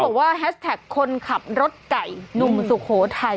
บอกว่าแฮชแท็กคนขับรถไก่หนุ่มสุโขทัย